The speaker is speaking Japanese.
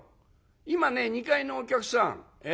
今ね２階のお客さんえ？